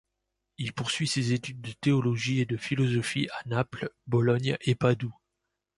Il poursuit ses études de théologie et de philosophie à Naples, Bologne et Padoue.